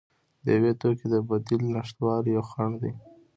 د یو توکي د بدیل نشتوالی یو خنډ دی.